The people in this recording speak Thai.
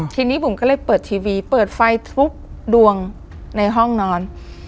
ทีนี้บุ๋มก็เลยเปิดทีวีเปิดไฟทุกดวงในห้องนอน